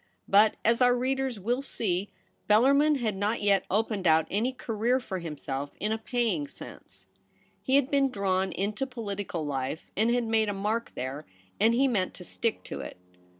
But, as our readers will see, Bellarmin had not yet opened out any career for himself in a paying sense. He had been drawn into political life and had made a mark there, and he meant to stick to it.